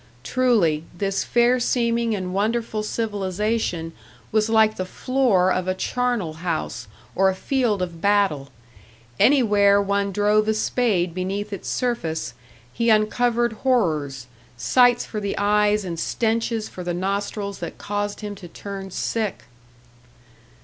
Truly, this fair seeming and wonderful civilisation was like the floor of a charnel house or a field of battle; anywhere one drove a spade beneath its surface, he uncovered horrors, sights for the eyes and stenches for the nostrils that caused him to turn sick!